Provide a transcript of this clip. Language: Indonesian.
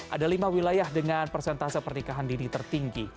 ada lima wilayah dengan persentase pernikahan dini tertinggi